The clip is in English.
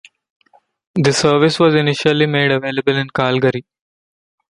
The service was initially made available in Calgary.